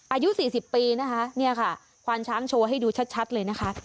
อายุ๔๐ปีนะคะเนี่ยค่ะควานช้างโชว์ให้ดูชัดเลยนะคะ